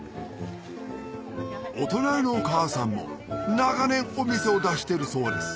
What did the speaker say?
お隣のお母さんも長年お店を出してるそうです